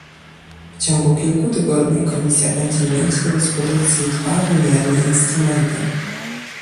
W ciągu kilku tygodni Komisja będzie mieć do dyspozycji dwa wymierne instrumenty